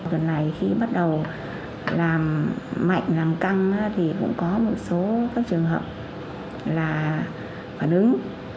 lần này khi bắt đầu làm mạnh làm căng thì cũng có một số các trường hợp là phản ứng